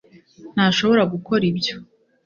ntashobora gukora ibyo